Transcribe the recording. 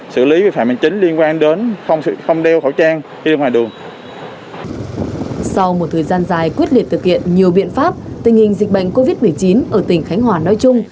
sau một thời gian dài quyết liệt thực hiện nhiều biện pháp tình hình dịch bệnh covid một mươi chín ở tỉnh khánh hòa nói chung